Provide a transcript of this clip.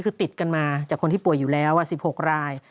คือติดกันมาจากคนที่ป่วยอยู่แล้ว๑๖ราย